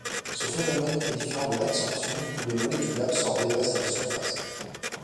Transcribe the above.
Ce phénomène est différent de l’adsorption où les molécules absorbées restent à la surface.